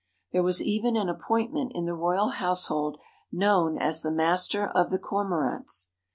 There was even an appointment in the royal household known as the "Master of the Cormorants."